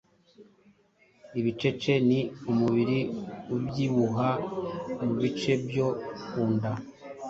Ibicece: ni umubiri ubyibuha mu bice byou kunda